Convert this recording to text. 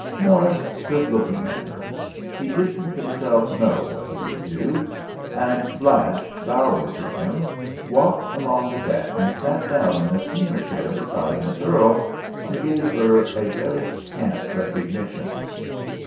Morris stood looking at her. He didn't himself know what he would do; and Blanche, bowing to him, walked along the deck, and sat down in the steamer chair beside Miss Earle, who gave her a very scant recognition.